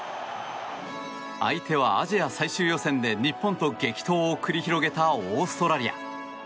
相手はアジア最終予選で日本と激闘を繰り広げたオーストラリア。